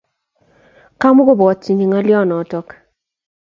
Kamo pwotchini ngoliot notok